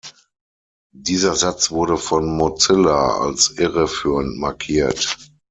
Dieser Satz wurde von Mozilla als irreführend markiert.